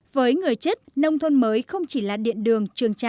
với người chất nông thôn mới không chỉ là điện đường